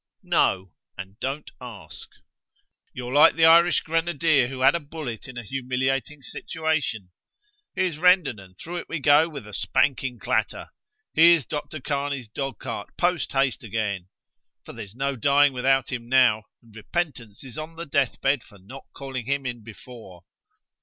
"No. And don't ask." "You're like the Irish Grenadier who had a bullet in a humiliating situation. Here's Rendon, and through it we go with a spanking clatter. Here's Doctor Corney's dog cart post haste again. For there's no dying without him now, and Repentance is on the death bed for not calling him in before.